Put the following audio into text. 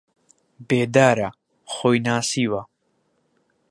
بێدارە، خۆی ناسیوە